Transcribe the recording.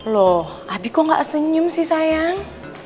loh abi kok gak senyum sih sayang